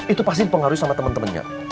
itu pasti dipengaruhi sama temen temennya